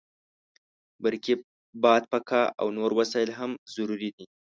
برقي بادپکه او نور وسایل هم ضروري دي.